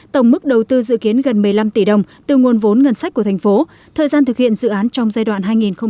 tổng mức đầu tư dự kiến gần một mươi năm tỷ đồng từ nguồn vốn ngân sách của thành phố thời gian thực hiện dự án trong giai đoạn hai nghìn hai mươi một hai nghìn hai mươi năm